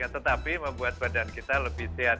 tetapi membuat badan kita lebih sehat